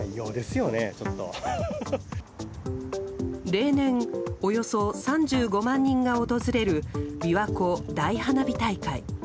例年、およそ３５万人が訪れるびわ湖大花火大会。